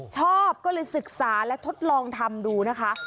ชอบก็เลยศึกษาและทดลองทำดูนะคะ